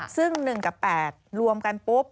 ซึ่ง๑กับ๘รวมกันปุ๊บ